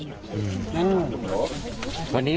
อยากจะเห็นนักหน้าในแห่ผู้ต้องหาเนี่ย